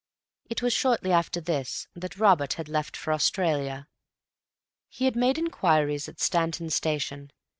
It was shortly after this that Robert had left for Australia. He had made inquiries at Stanton station.